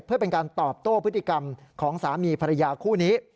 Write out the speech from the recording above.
เพื่อเป็นการตอบโต้พฤติกรรมของสามีภรรยาคู่นี้